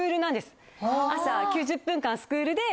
朝９０分間スクールで。